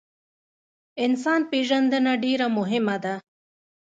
انسان پیژندنه ډیره مهمه ده